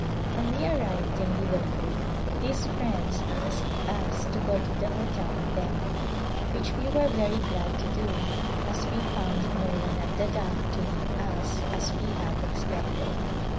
When we arrived in Liverpool these friends asked us to go to the hotel with them, which we were very glad to do as we found no one at the dock to meet us as we had expected.